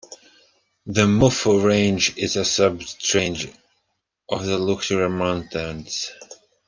The Mufu range is a subrange of the Luoxiao Mountains.